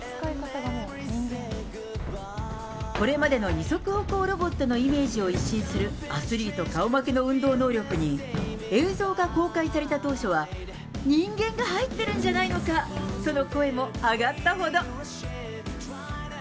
これまでの二足歩行ロボットのイメージを一新する、アスリート顔負けの運動能力に、映像が公開された当初は、人間が入ってるんじゃないのか？との声も上がったほど。